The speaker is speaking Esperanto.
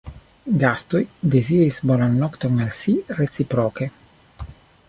Gastoj deziris bonan nokton al si reciproke.